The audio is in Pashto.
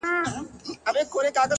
o هغه به څرنګه بلا وویني ـ